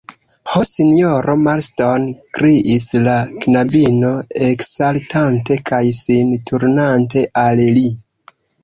Ho, sinjoro Marston, kriis la knabino, eksaltante kaj sin turnante al li.